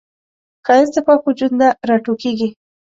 ښایست د پاک وجود نه راټوکېږي